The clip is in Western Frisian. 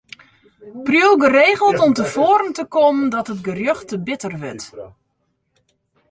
Priuw geregeld om te foaren te kommen dat it gerjocht te bitter wurdt.